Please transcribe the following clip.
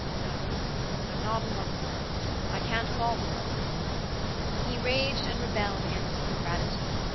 No, I'm not in love with her, I can't fall in love with her." He raged and rebelled against his ingratitude.